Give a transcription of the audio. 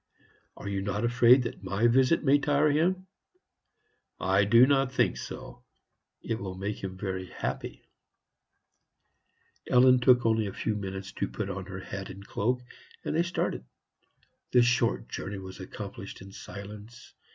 "Are you not afraid that my visit may tire him?" "I do not think so; it will make him very happy." Ellen only took a few minutes to put on her hat and cloak, and they started. The short journey was accomplished in silence.